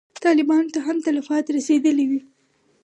طالبانو ته هم تلفات رسېدلي وي.